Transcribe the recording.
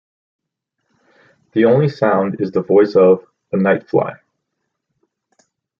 The only sound is the voice of "The Nightfly".